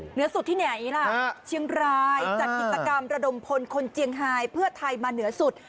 เหนือสุดที่ไหนล่ะเชียงรายจัดกิจกรรมระดมพลคนเจียงไฮเพื่อไทยมาเหนือสุด